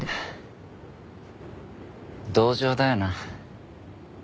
同情だよな。